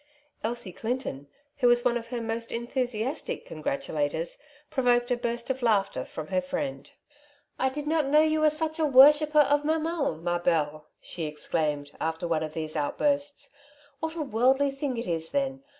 Elsie Clinton, who was one of her most enthu siastic congratulators, provoked a burst of laughter from her friend. ^* I did not know you were such a worshipper of mammon, itna helle,^^ she exclaimed, after one of these outbursts. *' What a worldly thing it is, then.